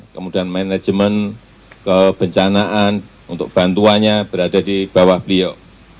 kemudian manajemen kebencanaan untuk bantuannya berada di bawah beliau